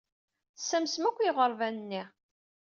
Tessamsem akk i yiɣerban-nni.